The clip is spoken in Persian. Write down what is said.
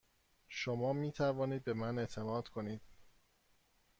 شما می توانید به من اعتماد کنید.